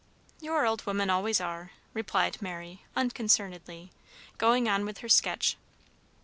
"Your old women always are," replied Mary, unconcernedly, going on with her sketch.